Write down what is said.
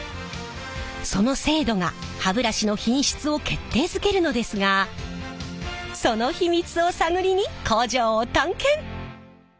その精度が歯ブラシの品質を決定づけるのですがその秘密を探りに工場を探検！